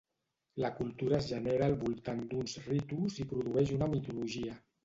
La cultura es genera al voltant d’uns ritus i produeix una mitologia.